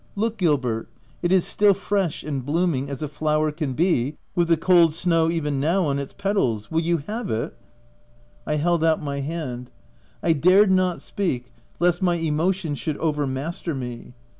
Look, Gilbert, it is still fresh and blooming as a flower can be, with the coid snow even now on its petals. — WiJl you have WP 328 THE TENANT I held out my hand : I dared not speak lest my emotion should over master me.